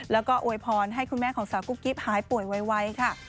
แล้วก็โวยพรให้คุณแม่ของสาวกุ๊กกิ๊บหายป่วยไวค่ะ